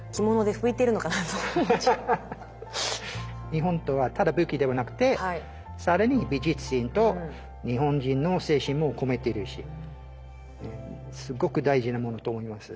日本刀はただ武器ではなくてさらに美術品と日本人の精神も込めてるしすっごく大事なものと思います。